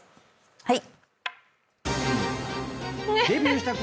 はい。